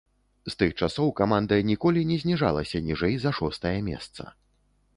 З тых часоў каманда ніколі не зніжалася ніжэй за шостае месца.